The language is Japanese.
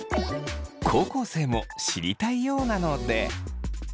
高校生も知りたいようなので。